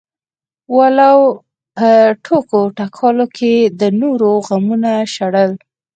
ولو په ټوکو ټکالو کې د نورو غمونه شړل.